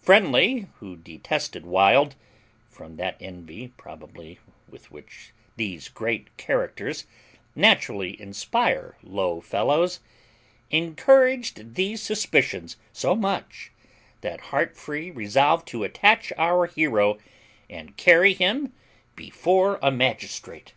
Friendly, who detested Wild (from that envy probably with which these GREAT CHARACTERS naturally inspire low fellows), encouraged these suspicions so much, that Heartfree resolved to attach our hero and carry him before a magistrate.